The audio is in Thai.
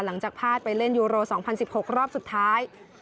หลังจากพลาดไปเล่นยูโร๒๐๑๖รอบสุดท้าย